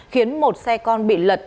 khiến một xe con bị lật